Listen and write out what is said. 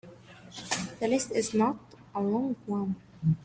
The list is not a long one.